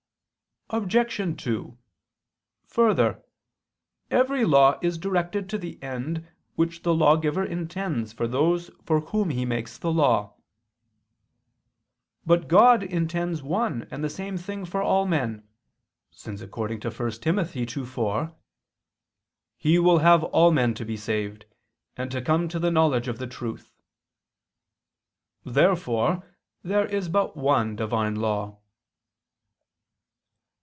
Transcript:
Obj. 2: Further, every law is directed to the end which the lawgiver intends for those for whom he makes the law. But God intends one and the same thing for all men; since according to 1 Tim. 2:4: "He will have all men to be saved, and to come to the knowledge of the truth." Therefore there is but one Divine law.